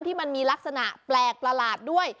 ที่มีลักษณะแปลกประหลาดด้วย